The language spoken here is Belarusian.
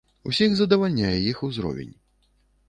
Усіх задавальняе іх узровень.